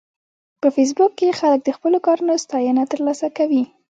په فېسبوک کې خلک د خپلو کارونو ستاینه ترلاسه کوي